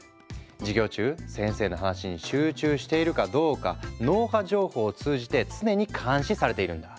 授業中先生の話に集中しているかどうか脳波情報を通じて常に監視されているんだ。